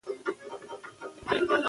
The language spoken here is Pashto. ملاله به تل یاده سوې وي.